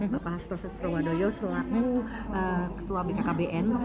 bapak hastus estro wadoyo selalu ketua bkkbn